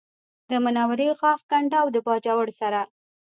د منورې غاښی کنډو د باجوړ سره